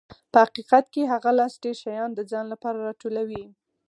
په حقیقت کې هغه لاس ډېر شیان د ځان لپاره راټولوي.